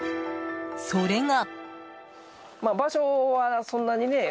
それが。